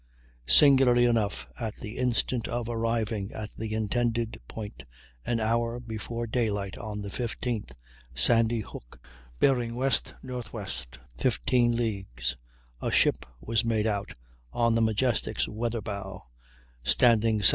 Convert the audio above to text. Singularly enough, at the instant of arriving at the intended point, an hour before daylight on the 15th, Sandy Hook bearing W.N.W. 15 leagues, a ship was made out, on the Majestic's weather bow, standing S.E.